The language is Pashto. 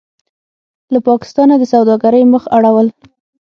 له پاکستانه د سوداګرۍ مخ اړول: